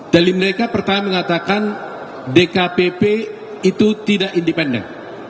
telim mereka pertama mengatakan dkpp itu tidak independen